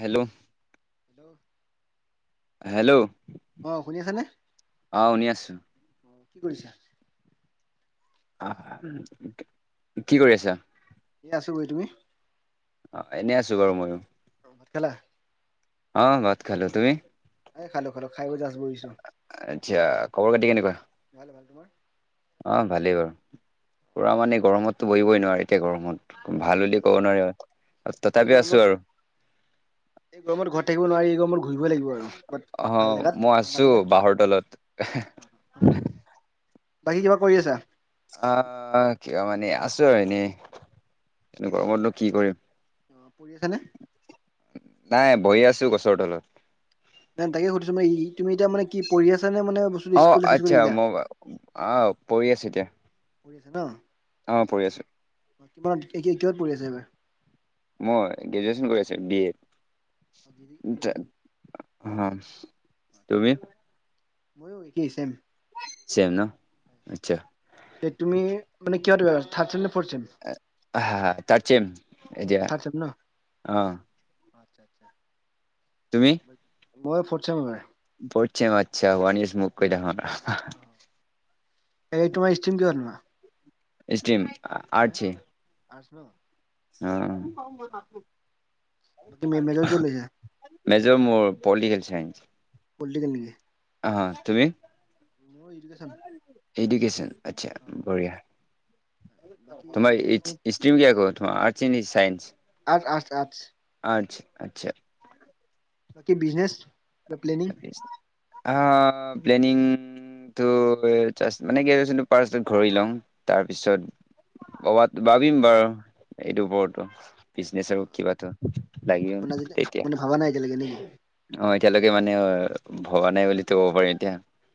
Hello hello [unintelligible] hello আহ শুনি আছানে অ শুনি আছো আহ কি কৰিছা? আহ কি কৰি আছা? কি আছো গৈ তুমি [unintelligible] অ এনেই আছো বাৰু মইও। ভাত খালা অ বাত খালো তুমি? এই খালো খালো। খাই বৈ জাষ্ট বহিছো আচ্ছা খবৰ খাতি কেনেকুৱা? ভাল ভাল তোমাৰ অ ভালেই বাৰু। পুৰা মানে গৰমততো বহিবই নোৱাৰে এতিয়া গৰমত। এই ভাল এই বুলি ক'ব এই নোৱাৰি এই তথাপি গৰমত আছো আৰু। এই গৰমত ঘৰত থাকিব নোৱাৰি গৰমত। ঘুৰিবই লাগিব আৰু ব অ ভাল জেগাত মই আছো ঠাণ্ডা বাঁহৰ তলত জেগাত। বাকী কিবা কৰি আছা আহ ক মানে আছো আৰু এনেই গৰমতো নো কি কৰিম। অ শুনিছেনে নাই বহি আছো গছৰতলত নাই তাকে সুধিছো মে ই তুমি এতিয়া মানে কি কৰি় আছা। নে মানে বস্তুটো অ স্কুল চিস্কুল আচ্ছা এৰিলা মই আহ পঢ়ি আছো এতিয়া উৰিশা ন [unintelligible] অ পঢ়ি আছো কিমান কত পৰি আছে এইবাৰ মই গ্ৰেজুৱেচন কৰি আছো বি এ অ গ্ৰেজু গ্ৰেজুৱেচন অ অ ঠিকে তুমি আছে। ময়ো একেই চেম চেম ন আচ্ছা তুমি মানে কিয় থাট ছেম নে ফ'ৰ্থ ছেম হা থাৰ্ড চেম এতিয়া থাৰ্ড ছেম ন আহ [unintelligible] [inaudible] তুমি মই ফৰথ চেম এইবাৰ ফটচেম আচ্ছা ওৱান ইছ মোতকৈ দাঙৰ এই তোমাৰ ইষ্টিম কি হয় ষ্টিম আঠছে আৰ্টছ ন? অ বাকী মেজৰ কিহত লৈছা? মেজৰ মোৰ পলিটিকেল চাইঞ্চ পলিটিকেল অ তুমি মোৰ এডুকেশ্যন। এডোকেচন আচছা বঢ়িয়া বাকী বিজনেছ চিজনেছ [unintelligible] আঠ আঠ আঠ আচছা আচ্ছা বাকী বিজনেছ বা প্লেনিং আ প্লেনিং তো মানে কি পাৰত ঘূৰি লম তাৰপিছত। ভবাত ভাবিম বাৰু এইটো ওপৰতো বিজনেছ আৰু কিবা এটা লাগি মানে আজিলে তেতিয়া মানে ভাবা নাই এতিয়ালৈকে নেকি? হয়। কি মানে ভবা নাই বুলি ক'ব পাৰি এতিয়া।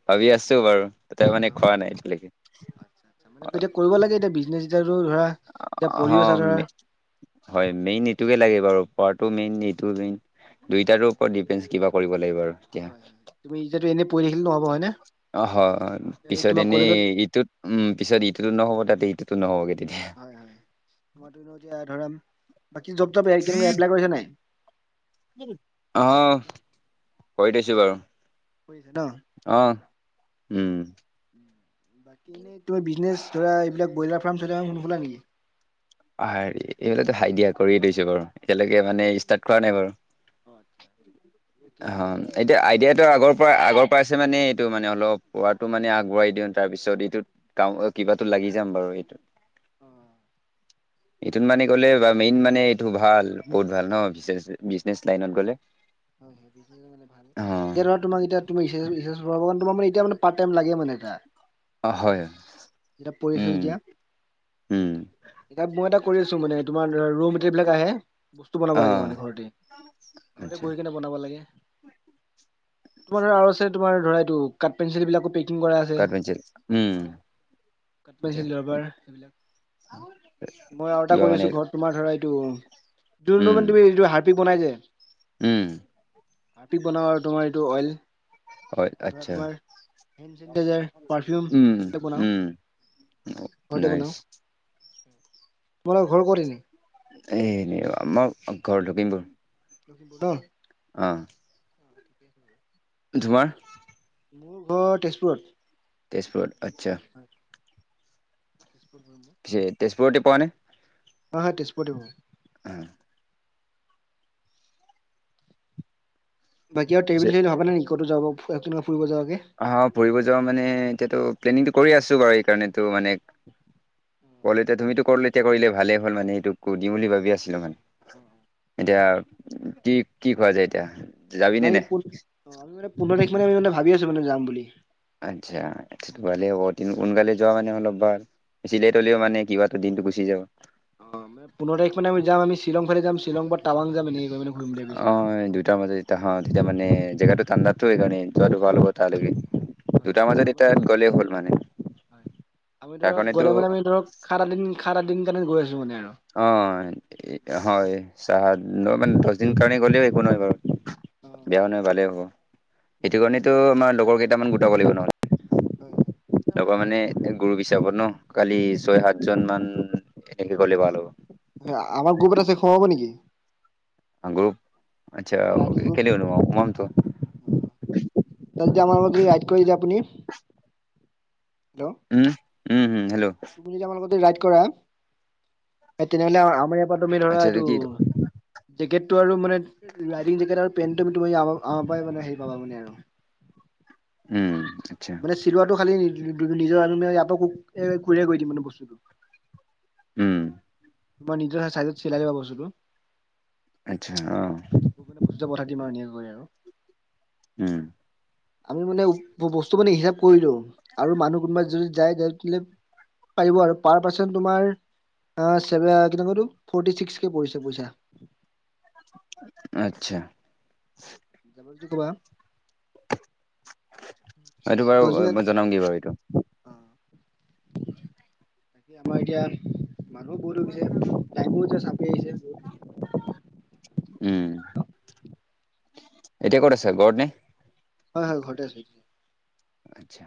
ভাবি আছো বাৰু এতিয়া মানে খোৱা নাই অ' এতিয়ালৈকে। আচ্ছা আচ্ছা মানে এতিয়া কৰিব লাগে এতিয়া বিজনেছ এতিয়াতো ধৰা এতিয়া পঢ়ি আছা অহম ধৰা হয় হয় মেইন এইটোৱে লাগে বাৰু পোৱা মেইন এইটো মেইন দুইটাৰো ওপৰত ডিপেন্ঞ্চ কিবা কৰিব লাগিব আৰু এতিয়া [unintelligible] হয়নে? অ হয় এই পিছত তোমাৰ এনেই কলেজত ইটোত উম পিছত ইটোতো নহ'ব তাতে এটো নহব গে তেতিয়া [unintelligible] আহ কৰি থইছো হেল্ল'? বাৰু কৰিছা ন আহ উম বাকী এনে তুমি বিনেছ ধৰা এইবিলাক ব্ৰইলাৰ ফাৰ্ম চইলা ফাৰ্ম নোখোলা নেকি। হেৰি এইবিলাক হাইডিয়া কৰিয়ে থৈছো বাৰু এতিয়ালৈকে মানে ষ্টাৰ্ট কৰা নাই বাৰু। অ' আচ্ছা তাকে অ মই এতিয়া আইডিয়াটোৰ আগৰ আগৰ পৰাইছে মানে এইটো মানে অলপ পটো মানে আগবঢ়াই দিওঁ তাৰ পিছত এইটোত ক কিবাতো লাগেব দি যাম বাৰু এইটোত উম এইটোত মানে গ'লে বা মেইন মানে এইটো ভাল বহুত ভাল ন বিজনেছ লাইনত গ'লে [unintelligible] অ ভগবান তোমাক এতিয়া মানে পাইতাম লাগে মানে এটা অ হয় এতিয়া পৰিছে উম যেতিয়া উম এতিয়া মই এটা আছো মানে তোমাৰ ৰ মেতেল বিলাক আহে বস্তু বনাব অ লাগে মানে ঘৰতে এ আচ্ছা বহি কেনে বনাব লাগে তোমাৰ ধ আৰু আছে তোমাৰ ধৰা এইটো কাট পেঞ্চিল বিলাকো পিক কাট পেঞ্চিল উম। কাট আচ্ছা পেঞ্চিল ৰাবাৰ সেইবিলাক। মই আৰু এটা কিবা কৰি মানে আছো ঘৰত তোমাৰ ধৰা এইটো যোন উম মানে তুমি এইটো হাত বনাই যায় উম ভাতি বনাওঁ আৰু তোমাৰ এইটো অইল হয় ধৰা আচ্ছা তোমাৰ হেণ্ড চেনিটাইজাৰ পাৰফিউম উম এইবিলাক বনাওঁ উম ন ঘৰতে নাই বনাওঁ তোমালোকৰ ঘৰ ক'ত ইনেই? এনে মোৰ ঘৰ লক্ষিমপুৰ। অ অ ধুৱাৰ মোৰ ঘৰ তেজপুৰত তেজপুৰত আচ্ছা হয় [unintelligible] ৰুটি [unintelligible] পানী হা হা তেজপুৰ আ বাকী আৰু পিছে টব ভবা নেকি'তো যাব। ফুৰিব যোৱাকে আমি আহ ফুৰিব যোৱা মানে এতিয়াতো প্লেনিংটো কৰি আছো বাৰু এইকাৰণটো মানে। উ কল এতিয়া তুমিতো কল এয়া কৰিলে ভালেই হ'ল মানে এইটো কো দিম বুলি ভাবি আছিলো মানে। উ এতিয়া কি কি খোৱা যায় এতিয়া যাবিনে মানে নাই পোন্ধৰ তাৰিখ মানে আমি মানে ভাবি আছো মানে যাম বুলি। আচ্ছা ভালে হ'ব সোনকালে যোৱা মানে অলপ বাৰ চিলাই তলেও মানে কিবা টো দিনটো গুচি যাব। অ পোন্ধৰ তাৰিখ মানে আমি যাওঁ আমি শ্বিলং ফালে যাম শ্বিলং পৰা তাৱাং যাম এনে অ দুয়টাৰ মাজত যেতিয়া হ তেতিয়া মানে জেগাটো ঠাণ্ডা টো এইকাৰণেই যোৱাটো ভাল হ'ব তালে। দুটাৰ মানে মাজত আমি ধৰক এতাত গ'লেই হ'ল মানে হয় আমি তাৰ ধৰক কাৰণেতো গ'লে মানে আমি ধৰক সাত আঠ দিন সাত আঠ দিন কাৰণে গৈ আছো মানে। আৰু অ হয় চাহ মানে দহ দিন কাৰণে গ'লেও একো নহয় বাৰু বেয়া নহয় ভালেই হ'ব সেইটো অ। কাৰণেটো আমাৰ লগৰ কেইটামান গোটাব কৰিব নহয়। হয় তাৰপৰা মানে গ্ৰপ হিচাবত ন খালি ছয় সাতজন মান এনেকে গলে ভাল হ'ব। কম হ'ব নেকি? গ্ৰপ আচ্ছা আমাৰ ৰাইডিং গ্ৰুপ কে উ যদি আমাৰ মতদি ৰাই কৰি দ আপুনি হেল্ল' উম উম হম হেল্ল' তুমি যদি আমাৰ লগতে ৰাইড কৰা তেনেহলে আমাৰ তুমি ধৰা আচ্ছা এইটো কি জাকেট টো আৰু মানে ৰাইডিং জাকেট আৰু পেন্ট, তুমি আম আমাৰ পৰাই মানে হেৰি পাবা মানে আৰু উম আচ্ছা মানে চিলোৱাটো খালি নিজৰ আমি ইয়ক ক কো কৰি দিম মানে বস্তুটো উম তোমাৰ নিজৰ চাইজত চিলাই লবা আচ্ছা অঁ বস্তুতটো নে বস্তুতে পঠাই দিম আৰু এনেকে কৰি আৰু উম। আমি মানে বস্তু মানে হিচাপ কৰিলো আৰু মানুহ কোনোবা যদি যায় লে। পাৰিব আৰু পৰা পাছত তোমাৰ ফৰ্টি চিশচ কে পৰিছে পইচা। আচ্ছা জাব যদি কবা এইটো দহ দিনত বাৰু জনাম গে বাৰু এইটো বাক আমাৰ এতিয়া মানুহ বহুত হৈ গৈছো যে চাব। উম এতিয়া ক'ত আছ ঘৰত নে? হয় হয় ঘটে আছো আচ্ছা।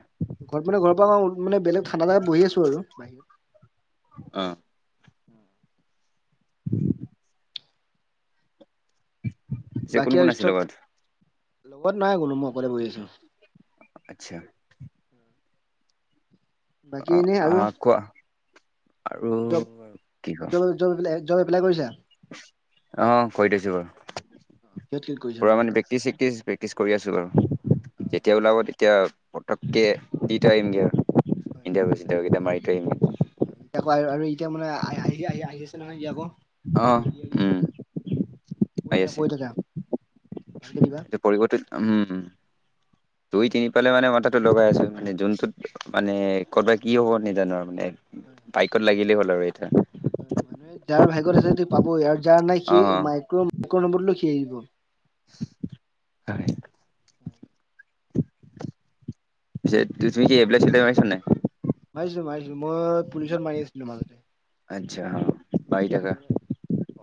ঘৰত মানে ঘৰৰ পৰা মানে বেলেগ ঠাণ্ডা জাগাত বহি আছো আৰু বাহিৰত অঁ যে কোন বাকী কোন আৰু আছিল ষ্টক লগত লগত নই বোলো মই অকলে বহি আছো। আচ্ছা বাকী এনেই আৰু অঁ কোৱা আৰু জব জব জব এইবিলাক। জব এপ্লাই কৰিচা? অ কৰি থৈছো বাৰু কিহত ক্লিক কৰিছা পুৰা বাৰু হয় মানে প্ৰেক্টিচ চক্টিচ প্ৰেক্টিচ কৰি আছোঁ বাৰু যেতিয়া ওলাব তেতিয়া পটককৈ দি থ আহিমগৈ আৰু [unintelligible] ইণ্ডিয়া গৈছিলে এইকেইটা মাৰি থৈ আহিমগে এতিয়া আকৌ আৰু এতিয়া মানে আহ আহি আহি আহি আছে নহয় এ আকৌ। অ এৰি এৰি উম। পঢ়ি হৈ থাকা আছে পঢ়ি থাকা ভালকে দিবা এতিয়া পৰিৱৰ্তিত উম। [unintelligible] দুই তিনি পালে মানে মথাটো লগাই আছো মানে যোনটোত মানে কৰ'বাত কি হ'ব নজানো আৰু মানে। হয় বাইকত লাগিলেই হ'ল আৰু এতিয়া হয় মানুহে যাৰ ভাগ্যত আছে ত পাব আৰু যাৰ নাই সি অ', মাইক্ৰ মাইক্ৰ নম্বৰ কিব হয় হয় তুমি কি হবলিল তুমি চিনি পাইছানে নাই [unintelligible] মাৰিছো মাৰিছো মই পুলিচন মাৰি আছিলো মাজতে আচ্ছা মাৰি থাকা মানে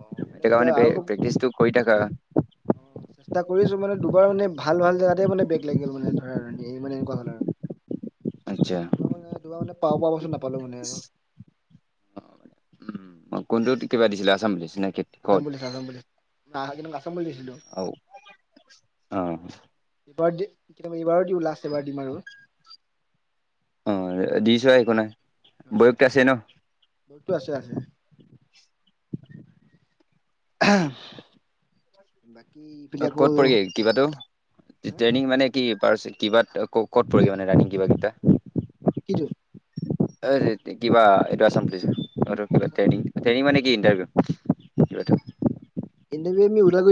অ থাক এতিয়া মানে আৰু প্ৰেকটিছ টো কৰি থাকা অ চেষ্টা কৰিছো মানে দুবাৰ মানে ভাল ভাল জেগাতেই মানে বেগ লাগি গ'ল মানে ধৰা আৰু মানে এনেকুৱা হ'ল আৰু আচ্ছা। দুব মানে দুবাৰ মানে পাও পাওঁ বচোন [unintelligible] নাপালো মানে আৰু উম ম কোনটোত কিবা দিছিলে আছাম পুলিছ নে ক'ত? আছাম পুলিছ আছাম পুলিছ অ অ বাৰ দি কে এইবাৰো দিওঁ লাষ্ট এবাৰ দিম আৰু অ দিছ একো নাই বয়স আছে ন [unintelligible] ছে [unintelligible] [inaudible] অ ক'ত পৰিগৈ কিবাতো হা ট্ৰেইনিং মানে কি পাৰ কিবা ক'ত পৰিগৈ মানে ৰানিং কিবা কেইটা [unintelligible] কিটো কিবা এইটো আছাম পুলিছ ট্ৰেইনিং মানে কি ইটাৰভিউ [unintelligible] [unintelligible]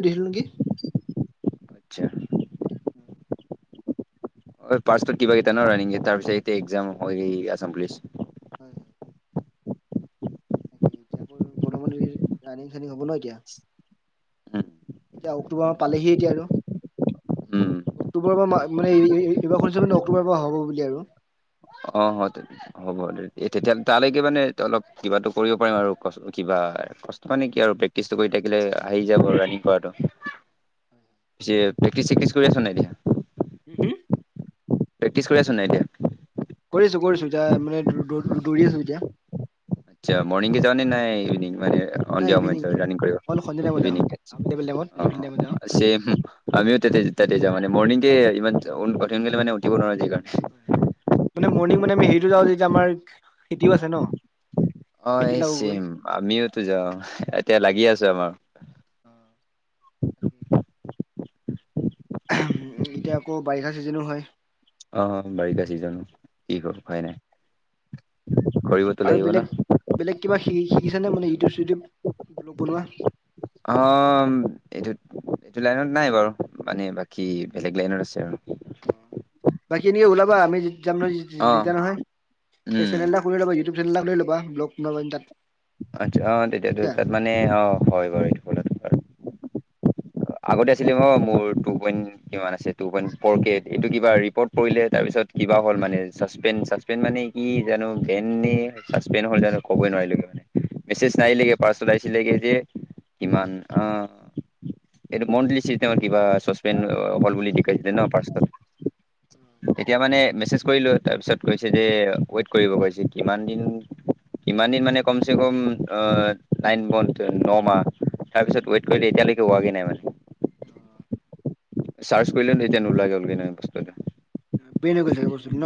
দিছিলো নেকি? আচছা। [inaudible] ফাৰ্ষ্টত কিবা কেইটা ন ৰাানিং তাৰ পিছত এইতিয়া এক্সাম হৈ গ আছাম পুলিচ। [inaudible] আকৌ ৰানিং চনিং হব ন এতিয়া? উ [unintelligible] এতিয়া অক্টোবৰ মান পালেহি এতিয়া আৰু। উম। অক্টোবৰৰ পৰা মানে এইবাৰ শনিছো অক্টোবৰৰ পৰা হ'ব বুলি আৰু। অ হ'ব দে তেতিয়া তালৈকে মানে অলপ কিবাতো কৰিব পাৰিম আৰু কিবা কষ্ট ম নে কি আৰু প্ৰেক্টিচটো কৰি থাকিলে আহি যাব ৰানিং কৰাটো। [unintelligible] পি প্ৰেক্টিচ চেক্টিচ কৰি আছ নাই এতিয়া? ম [inaudible] প্ৰেক্টিছ কৰি আছ নাই এতিয়া? কৰিছো কৰিছো ততিয়া মানে দৌৰি আছো এতিয়া। আৰ্টচা মৰ্ণিং কি যাওঁ নে নাই ইভিনিং মানে নাই সন্ধিয়া ইভিনিং সময়ত ৰানিং কৰিব? অল সন্ধিয়া টাইমত যাওঁ ইভিনিং আবেলি আবেলি টাইমত ইভিনিং টাইমত যাওঁ অ চেইম আমিও ত তেজ ত তেজ মানে মৰ্ণিংতে ইমান কঠিন ক মান উঠিব নোৱাৰোঁ যি হয় হয় মানে মৰ্ণং মানে আমি হেৰিটো যাওঁ যেতিয়া আমাৰ খেতিও আছে ন। অ খেতিত এই লাগোগৈ চিম আমিওতো যাওঁ এতিয়া লাগি আছো আমাৰ উ এতিয়া আকৌ বাৰিষা চিজনো হয়। অ বাৰিষা চিজনো কি কৰো উপাই নাই। কৰিবতো আৰু লাগিব ন বেলেগ বেলেগ কিবা শ শিকিছে নে মানে ইউটিউব চিওটিউব্ বনোৱা? অ এইটো এইটো লাইনত নাই বাৰু। মানে বাকী বেলেগ লাইনত আছে আৰু। [inaudible] বাকীখিনি ওলাবা, আমি যাম ন অ যেতিয়া নহয়, এই উম চেনেল এটা খুলি লবা, ইউটিউব চেনেল লৈ লবা। বা ব্লগ বনাবা তাত আচ্ছা অ তেতিয়ো বুজিছা। তাত মানে অ হয় বাৰু এইটো ফ আগতে আছিলে। মোৰ টু পইণ্ট কিমান আছে টু পইণ্ট ফৰ কে। এইটো কিবা ৰিপৰ্ট কৰিলে তাৰপিছত কিবা হল মানে। চাচপেন চাচপেন মানে কি জানো বেন নে চাচপেন হল। জানো ক'বই নোৱাৰিলো। মানে মেছেজ আচ্ছা নাহিলেগে। পাছত পাছৱৰ্ড আহিছিল যে হয় কিমান আহ এইটো মন্থলি চিষ্টেম কিবা চচপেন হল বুলি দেখিছিলে ন পাছৱৰ্ড। [inaudible] তেতিয়া মানে মেছেজ কৰিলো তাৰপিছত কৈছে যে ৱেইট কৰিব কৈছে। কিমান দিন ইমান দিন মানে কমচে কম। অহ নাইন মন্থ ন মাহ। তাৰপিছত ৱেইট কৰিলে এতিয়া লৈকে হোৱা গে নাই মানে। অ'। চাৰ্চ কৰিলে তেতিয়া নোলোৱা হল গে এতিয়া ন বস্তু এটা। বেন হৈ গৈছে বস্তুটো ন।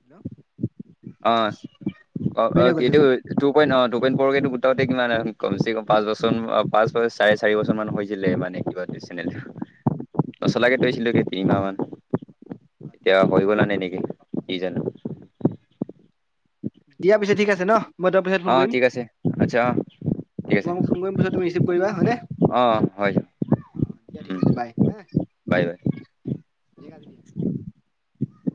হেল্ল'? অ অ এইটো চাগে। টু পইণ্ট অ। টু পইণ্ট ফৌৰ কে টো [unintelligible] কমচে কম পাঁচ বছৰ পাঁচ চাৰে চাৰি বছৰ মান হৈছিলে মানে কিবা চেনেল নচলাকে থৈছিলোঁ তিনি মাহ মান। এতিয়া হৈ গল আৰু এনেকে কি জানো। দিয়া পিছত ঠিক আছে ন, মই তাৰ পিছত ফোন অ', কৰিম। ঠিক আছে আচ্ছা অ', ঠিক আছে তোমাক মই ফোন কৰিম ৰিচিভ কৰিবা হয়নে? অ', হয় অ দিয়া ঠিক উম, আছে বাই হা। Bye bye. [unintelligible]